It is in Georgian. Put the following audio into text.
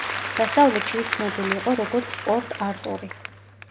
დასავლეთში ის ცნობილი იყო როგორც პორტ-არტური.